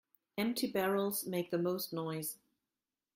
Empty barrels make the most noise.